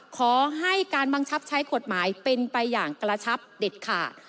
ขอให้การบังคับใช้กฎหมายเป็นไปอย่างกระชับเด็ดขาด